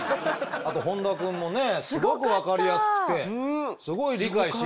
あと本多くんもねすごく分かりやすくてすごい理解しやすいというかね。